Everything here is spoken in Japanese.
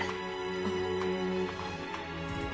あっ。